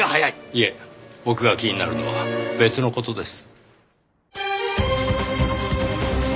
いえ僕が気になるのは別の事です。